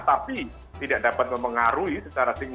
tapi tidak dapat mempengaruhi secara signifikan